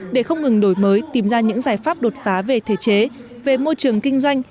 để không ngừng đổi mới tìm ra những giải pháp đột phá về thể chế về môi trường kinh doanh